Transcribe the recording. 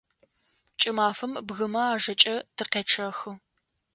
КӀымафэм бгымэ ӀажэкӀэ тыкъячъэхы.